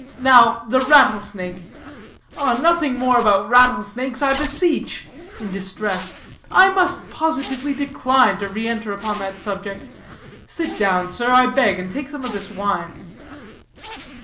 Now, the rattle snake " "Nothing more about rattle snakes, I beseech," in distress; "I must positively decline to reenter upon that subject. Sit down, sir, I beg, and take some of this wine."